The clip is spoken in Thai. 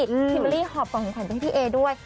คิมเบอร์รี่หอบกล่องของขวัญไปให้พี่เอด้วย